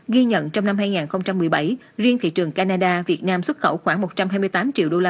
ghi nhận trong năm hai nghìn một mươi bảy riêng thị trường canada việt nam xuất khẩu khoảng một trăm hai mươi tám triệu usd